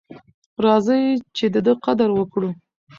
راځئ چې د ده قدر وکړو.